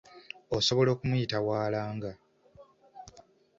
Osobola okumuyita waalanga.